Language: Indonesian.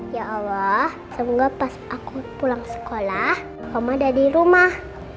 ya allah semoga pas aku pulang sekolah om ada di rumah